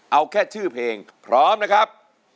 เอาแค่ชื่อเพลงพร้อมนะครับ